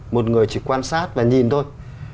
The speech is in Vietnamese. một người chỉ quan sát và nhìn thôi